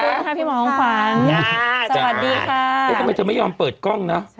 ค่ะพี่หมองขวัญสวัสดีค่ะเอ๊ะทำไมเธอไม่ยอมเปิดกล้องนะ